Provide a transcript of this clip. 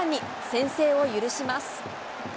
先制を許します。